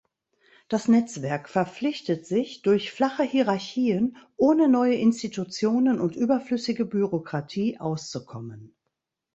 Das Netzwerk verpflichtet sich durch flache Hierarchien ohne neue Institutionen und überflüssige Bürokratie auszukommen.